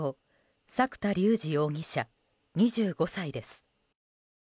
作田竜二容疑者、２５歳です。